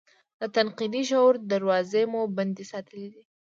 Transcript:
د تنقیدي شعور دراوزې مو بندې ساتلي دي.